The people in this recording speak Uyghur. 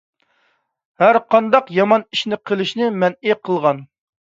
ھەر قانداق يامان ئىشنى قىلىشنى مەنئى قىلغان.